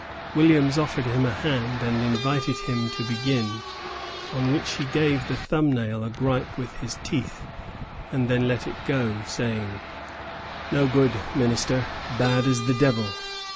Williams offered him a hand and invited him to begin; on which he gave the thumb nail a gripe with his teeth, and then let it go, saying, "No good minister, bad as the devil."